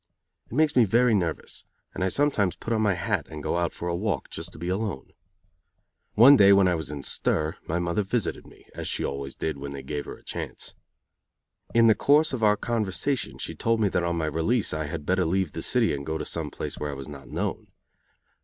It makes me very nervous, and I sometimes put on my hat and go out for a walk, just to be alone. One day, when I was in stir, my mother visited me, as she always did when they gave her a chance. In the course of our conversation she told me that on my release I had better leave the city and go to some place where I was not known.